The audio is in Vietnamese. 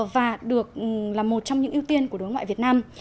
và được là một trong những ưu tiên của đối ngoại việt nam